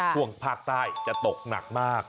ช่วงภาคใต้จะตกหนักมาก